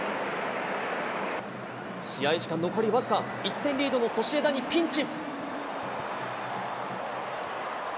試合時間残り僅か、１点リードのソシエダにピンチ。